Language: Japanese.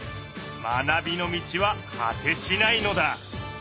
学びの道は果てしないのだ。